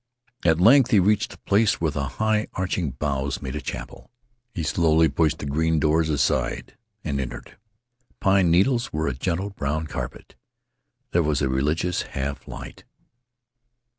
At length he reached a place where the high, arching boughs made a chapel. He softly pushed the green doors aside and entered. Pine needles were a gentle brown carpet. There was a religious half light.